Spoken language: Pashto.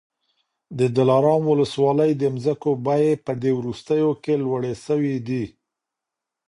د دلارام ولسوالۍ د مځکو بیې په دې وروستیو کي لوړي سوې دي.